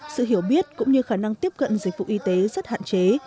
sự hiểu biết cũng như khả năng tiếp cận dịch vụ y tế rất hạn chế